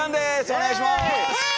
お願いします。